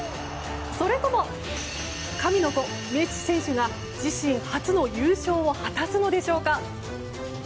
それとも神の子メッシ選手が自身初の優勝を果たすのでしょうか。